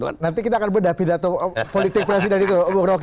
nanti kita akan bedah pidato politik presiden itu